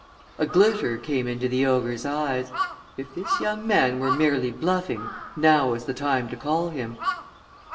A glitter came into the ogre's eyes. If this young man were merely bluffing now was the time to call him.